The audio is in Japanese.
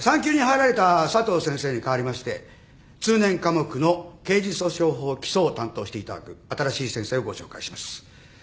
産休に入られた佐藤先生に代わりまして通年科目の刑事訴訟法基礎を担当していただく新しい先生をご紹介します。